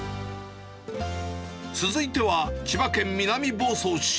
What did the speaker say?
続いては千葉県南房総市。